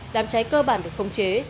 đám cháy cơ bản được khống chế